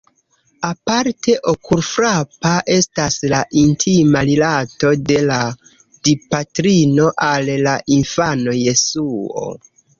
Aparte okulfrapa estas la intima rilato de la Dipatrino al la infano Jesuo.